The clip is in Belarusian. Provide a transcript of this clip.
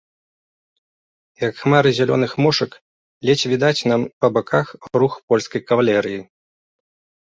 Як хмары зялёных мошак, ледзь відаць нам па баках рух польскай кавалерыі.